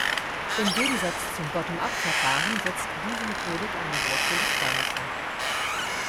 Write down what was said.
Im Gegensatz zum Bottom-Up-Verfahren setzt diese Methodik an der Wurzel des Baumes an.